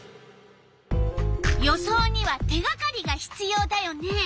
予想には手がかりがひつようだよね。